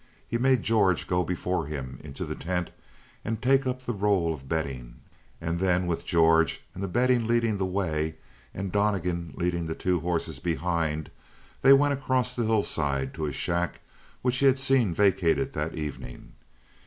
He made George go before him into the tent and take up the roll of bedding; and then, with George and the bedding leading the way, and Donnegan leading the two horses behind, they went across the hillside to a shack which he had seen vacated that evening.